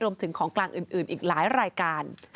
ของกลางอื่นอีกหลายรายการ